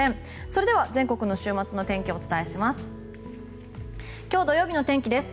それでは全国の週末の天気をお伝えします。